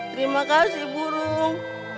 terima kasih burung